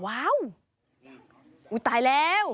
ว้าวอุ๊ยตายแล้ว